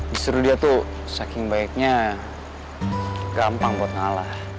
justru dia tuh saking baiknya gampang buat ngalah